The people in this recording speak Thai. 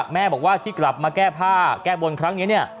แม่บอกว่าที่กลับมาแก้ผ้าแก้บนครั้งนี้เนี่ย